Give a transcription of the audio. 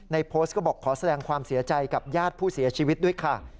โพสต์ก็บอกขอแสดงความเสียใจกับญาติผู้เสียชีวิตด้วยค่ะ